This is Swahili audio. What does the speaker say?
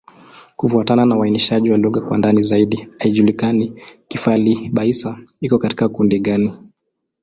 Kufuatana na uainishaji wa lugha kwa ndani zaidi, haijulikani Kifali-Baissa iko katika kundi gani.